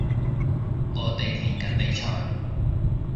我哋練緊比賽